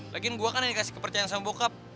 lagiin gue kan yang dikasih kepercayaan sama bokap